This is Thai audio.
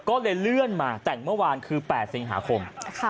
ก็เลยเลื่อนมาแต่งเมื่อวานคือ๘สิงหาคม